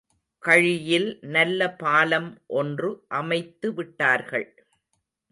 கழியில் நல்ல பாலம் ஒன்று அமைத்து விட்டார்கள்.